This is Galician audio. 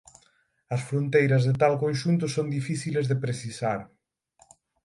As fronteiras de tal conxunto son difíciles de precisar.